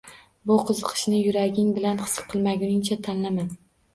Bu qiziqishingni yuraging bilan his qilmaguningcha tanlama.